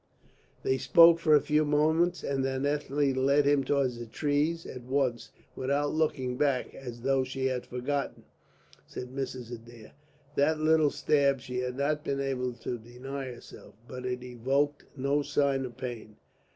"They spoke for a few moments, and then Ethne led him towards the trees, at once, without looking back as though she had forgotten," said Mrs. Adair. That little stab she had not been able to deny herself, but it evoked no sign of pain.